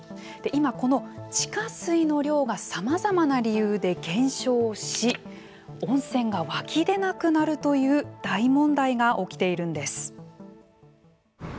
今、この地下水の量がさまざまな理由で減少し温泉が湧き出なくなるという大問題が起きているんです。